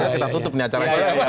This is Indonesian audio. kita tutup nih acara ini